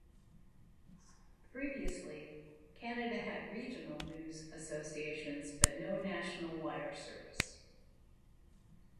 Previously, Canada had regional news associations but no national wire service.